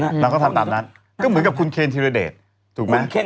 นางก็ทำตามนั้นก็เหมือนกับคุณเคนธีรเดชถูกไหม